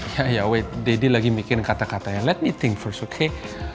ya ya wait deddy lagi bikin kata katanya let me think first okay